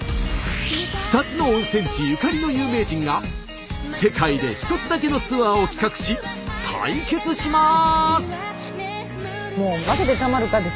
２つの温泉地ゆかりの有名人が世界でひとつだけのツアーを企画し対決します！